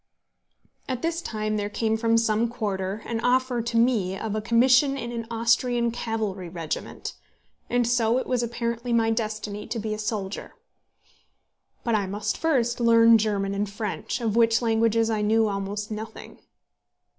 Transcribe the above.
At this time there came from some quarter an offer to me of a commission in an Austrian cavalry regiment; and so it was apparently my destiny to be a soldier. But I must first learn German and French, of which languages I knew almost nothing.